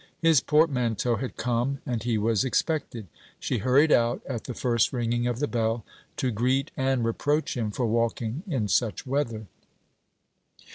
His portmanteau had come and he was expected; she hurried out at the first ringing of the bell, to greet and reproach him for walking in such weather.